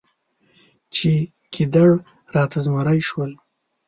چې ګیدړ راته زمری شول.